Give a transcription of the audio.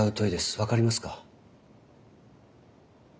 分かりますか？